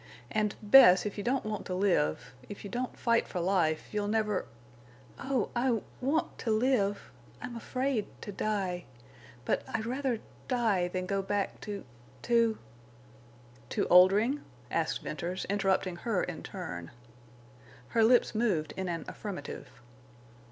And—Bess, if you don't want to live—if you don't fight for life—you'll never—" "Oh! I want—to live! I'm afraid—to die. But I'd rather—die—than go back—to—to—" "To Oldring?" asked Venters, interrupting her in turn. Her lips moved in an affirmative.